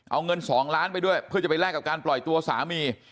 เอาเงิน๒ล้านไปด้วยเพื่อจะไปแลกกับการปล่อยตัวสามี